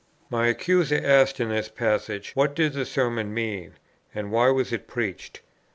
My accuser asked in this passage what did the Sermon mean, and why was it preached.